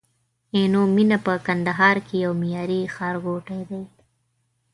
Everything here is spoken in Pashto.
عینومېنه په کندهار کي یو معیاري ښارګوټی دی